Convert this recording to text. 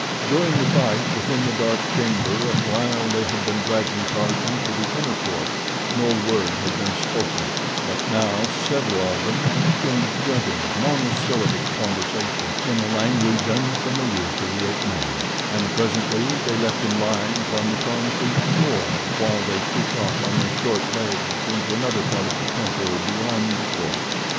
During the fight within the dark chamber, and while they had been dragging Tarzan to the inner court, no word had been spoken, but now several of them exchanged grunting, monosyllabic conversation in a language unfamiliar to the ape man, and presently they left him lying upon the concrete floor while they trooped off on their short legs into another part of the temple beyond the court.